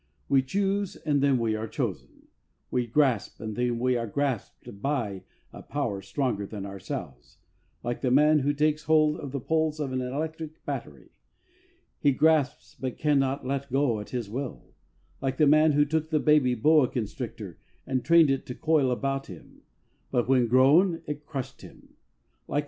We choose and then we are chosen ; we grasp and then we are grasped by a power stronger than ourselves, like the man who takes hold of the poles of an electric battery ; he grasps, but he cannot let go at his will ; like the man who took the baby boa constrictor and trained it to coil about him, but when grown it crushed him ; like the HEART TALKS ON HOLINESS.